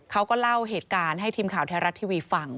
เขาก็เล่าเหตุการณ์ให้ทีมข่าวไทยรัฐทีวีฟัง